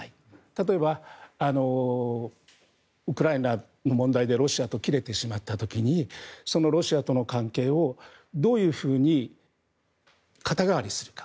例えば、ウクライナの問題でロシアと切れてしまった時にロシアとの関係をどういうふうに肩代わりするか。